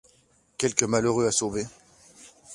Quelque malheureux à sauver!